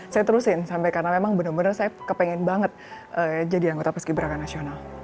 saya terusin sampai karena memang benar benar saya kepengen banget jadi anggota paski beraka nasional